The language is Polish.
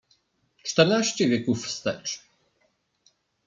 "Czternaście wieków wstecz."